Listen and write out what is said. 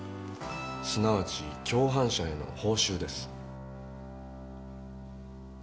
すなわち共犯者への報酬です。